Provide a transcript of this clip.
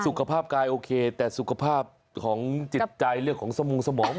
สุขภาพกายโอเคแต่สุขภาพของจิตใจเรื่องของสมองสมอง